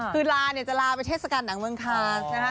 คือลาจะลาไปเทศกาลหนังเมืองคาร์สนะฮะ